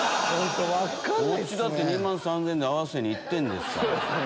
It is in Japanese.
こっちだって２万３０００円に合わせに行ってんですから。